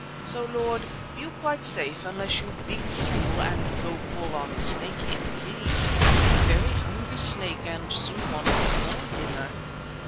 So, Lord, you quite safe unless you big fool and go call on snake in cave. He very hungry snake and soon want more dinner.